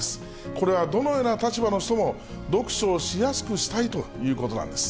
これはどのような立場の人も、読書をしやすくしたいということなんです。